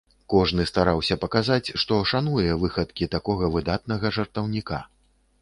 Кожны стараўся паказаць, што шануе выхадкі такога выдатнага жартаўніка.